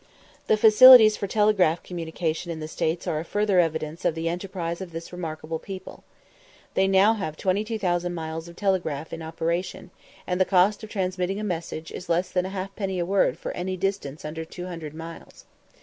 The facilities for telegraphic communication in the States are a further evidence of the enterprise of this remarkable people. They have now 22,000 miles of telegraph in operation, and the cost of transmitting messages is less than a halfpenny a word for any distance under 200 miles.